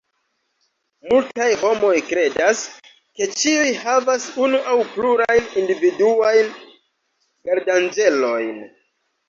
Multaj homoj kredas, ke ĉiuj havas unu aŭ plurajn individuajn gardanĝelojn.